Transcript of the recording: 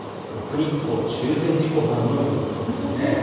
日光中禅寺湖畔の様子です。